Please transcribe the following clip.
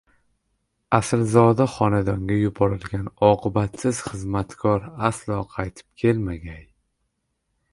– aslzoda xonadonga yuborilgan oqibatsiz xizmatkor aslo qaytib kelmagay;